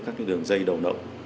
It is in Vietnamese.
các đường dây đầu nậu